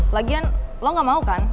lagian lo gak mau kan